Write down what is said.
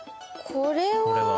これは。